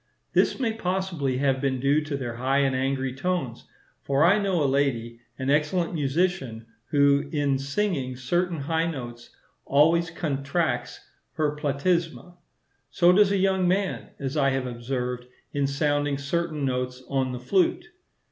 This may possibly have been due to their high and angry tones; for I know a lady, an excellent musician, who, in singing certain high notes, always contracts her platysma. So does a young man, as I have observed, in sounding certain notes on the flute.